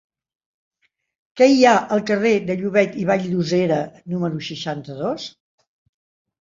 Què hi ha al carrer de Llobet i Vall-llosera número seixanta-dos?